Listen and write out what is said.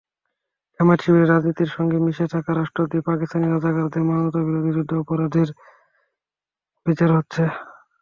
জামায়াত-শিবিরের রাজনীতির সঙ্গে মিশে থাকা রাষ্ট্রদ্রোহী পাকিস্তানি রাজাকারদের মানবতাবিরোধী যুদ্ধাপরাধের বিচার হচ্ছে।